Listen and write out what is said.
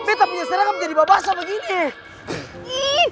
beta punya serangkap jadi babasa begini